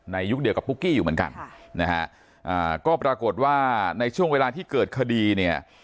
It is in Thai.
ยุคเดียวกับปุ๊กกี้อยู่เหมือนกันนะฮะก็ปรากฏว่าในช่วงเวลาที่เกิดคดีเนี่ย